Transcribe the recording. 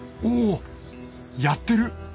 おぉやってる！